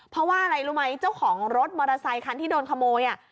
เพราะว่าอะไรรู้ไหมเจ้าของรถมอเตอร์ไซคันที่โดนขโมยอ่ะ